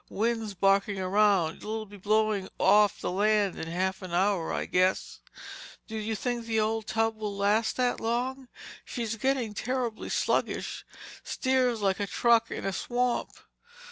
"Wind's barking around—it'll be blowing off the land in half an hour, I guess." "Do you think the old tub will last that long? She's getting terribly sluggish. Steers like a truck in a swamp!"